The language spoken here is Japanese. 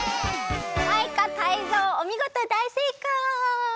マイカタイゾウおみごとだいせいかい！